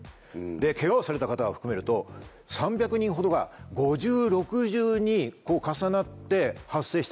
ケガをされた方を含めると３００人ほどが５重６重に重なって発生した。